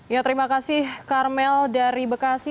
ya terima kasih karmel dari bekasi